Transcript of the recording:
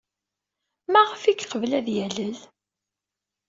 Maɣef ay yeqbel ad yalel?